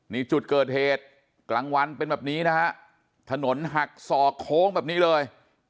นี่จุดเกิดเหตุกลางวันเป็นแบบนี้นะฮะถนนหักศอกโค้งแบบนี้เลย